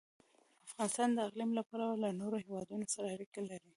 افغانستان د اقلیم له پلوه له نورو هېوادونو سره اړیکې لري.